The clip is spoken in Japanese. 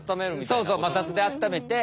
そうそう摩擦であっためて。